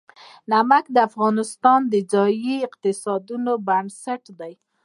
نمک د افغانستان د ځایي اقتصادونو بنسټ دی.